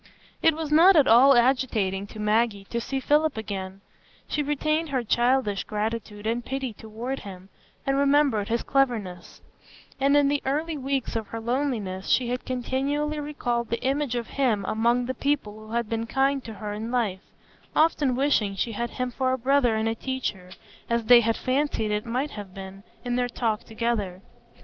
It was not at all agitating to Maggie to see Philip again; she retained her childish gratitude and pity toward him, and remembered his cleverness; and in the early weeks of her loneliness she had continually recalled the image of him among the people who had been kind to her in life, often wishing she had him for a brother and a teacher, as they had fancied it might have been, in their talk together.